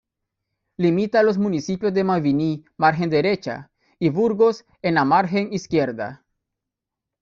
Limita los municipios de Mabini, margen derecha, y Burgos, en la margen izquierda.